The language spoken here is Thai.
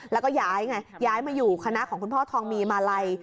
แล้วก็ย้ายไงย้ายมาอยู่คณะของคุณพ่อทองมีมาลัย